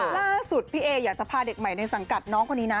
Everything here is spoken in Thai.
ล่าสุดพี่เออยากจะพาเด็กใหม่ในสังกัดน้องคนนี้นะ